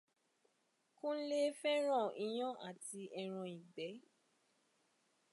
Kúnlé fẹ́ràn iyan àti ẹran ìgbẹ́.